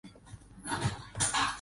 Autor: El Gráfico.